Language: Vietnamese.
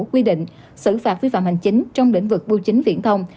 quy định xử phạt vi phạm hành chính trong lĩnh vực bưu chính viễn thông